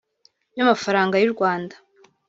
by’amafaranga y’u Rwanda